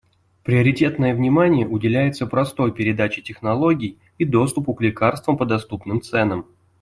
Приоритетное внимание уделяется простой передаче технологии и доступу к лекарствам по доступным ценам.